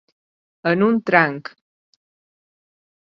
En un tranc.